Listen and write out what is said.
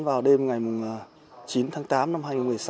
vào đêm ngày chín tháng tám năm hai nghìn một mươi sáu